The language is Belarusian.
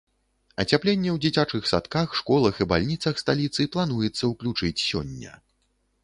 Ацяпленне ў дзіцячых садках, школах і бальніцах сталіцы плануецца ўключыць сёння.